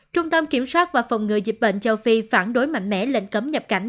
trung tâm kiểm soát và phòng ngừa dịch bệnh châu phi phản đối mạnh mẽ lệnh cấm nhập cảnh